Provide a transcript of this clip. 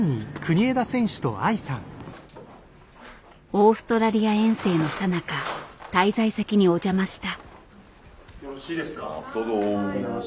オーストラリア遠征のさなか滞在先にお邪魔した。